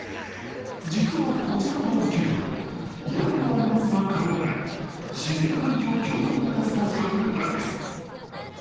実はこちらのドーム球場屋根はありますが、壁はない自然環境共存型スタジアムなんです。